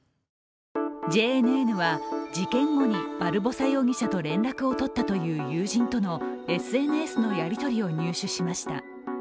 ＪＮＮは事件後にバルボサ容疑者と連絡を取ったという友人とのＳＮＳのやりとりを入手しました。